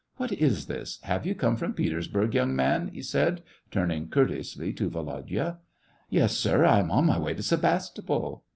" What is this, have you come from Petersburg, young man ?" he said, turning courteously to Volodya. " Yes, sir, I am on my way to Sevastopol."